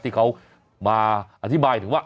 ที่เขามาอธิบายถึงว่า